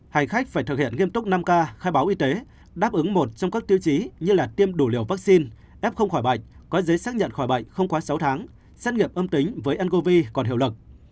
hành khách phải thực hiện nghiêm túc năm k khai báo y tế đáp ứng một trong các tiêu chí như tiêm đủ liều vaccine f không khỏi bệnh có giấy xác nhận khỏi bệnh không quá sáu tháng xét nghiệm âm tính với ncov còn hiệu lực